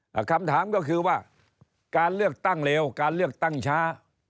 แต่คำถามก็คือว่าการเลือกตั้งเร็วการเลือกตั้งช้า